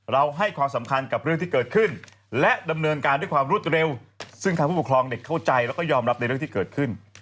ให้ความสำคัญกับเรื่องที่เกิดขึ้นและดำเนินการด้วยความรวดเร็วซึ่งทางผู้ปกครองเด็กเข้าใจแล้วก็ยอมรับในเรื่องที่เกิดขึ้น